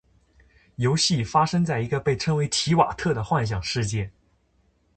游戏发生在一个被称作「提瓦特」的幻想世界。